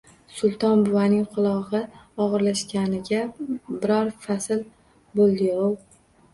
Sulton buvaning qulog`i og`irlashganiga biror fasl bo`ldiyov